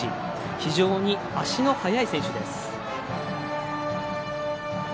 非常に足の速い選手です。